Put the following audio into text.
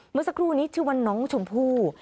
เมื่อสักครู่นี้ชื่อว่าน้องชมพู่